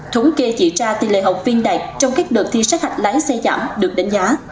thống kê chỉ ra tỷ lệ học viên đạt trong các đợt thi sát hạch lái xe giảm được đánh giá